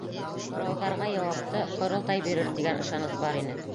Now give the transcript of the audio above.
Һорауҙарға яуапты ҡоролтай бирер тигән ышаныс бар ине.